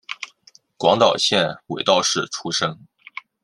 广岛县尾道市出身。